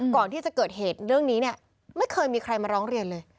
ก่อนที่จะเกิดเหตุเรื่องนี้เนี่ยไม่เคยมีใครมาร้องเรียนเลย